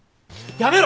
やめろ！